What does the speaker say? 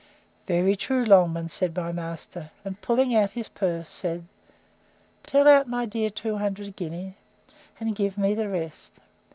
Very true, Longman, said my master; and, pulling out his purse, said, Tell out, my dear, two hundred guineas, and give me the rest.